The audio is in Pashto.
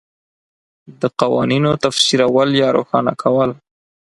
د قوانینو تفسیرول یا روښانه کول